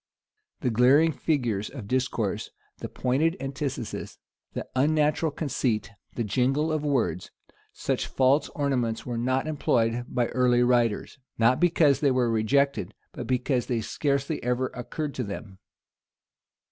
The glaring figures of discourse, the pointed antithesis, the unnatural conceit, the jingle of words; such false ornaments were not employed by early writers; not because they were rejected, but because they scarcely ever occurred to them.